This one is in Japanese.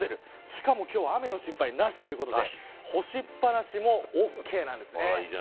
しかも今日は雨の心配がないということで干しっぱなしも大丈夫です。